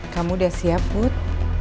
kamu udah siap bud